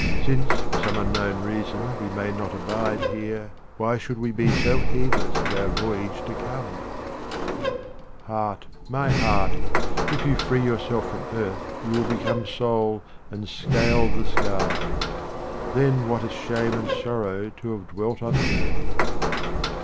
Since for some unknown reason we may not abide here, why should we be so heedless of our voyage to come ? 23 QUATRAINS OF OMAR KHAYYAM Heart, my heart, if you free yourself from earth you will become soul, and scale the skies. Then what a shame and sorrow to have dwelt on earth.